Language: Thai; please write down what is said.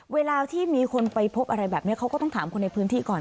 เวลาที่มีคนไปพบอะไรแบบนี้เขาก็ต้องถามคนในพื้นที่ก่อน